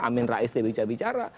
amin rais dia bicara bicara